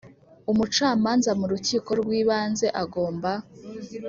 umucamanza mu Rukiko rw Ibanze agomba